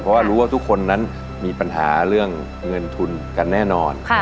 เพราะว่ารู้ว่าทุกคนนั้นมีปัญหาเรื่องเงินทุนกันแน่นอน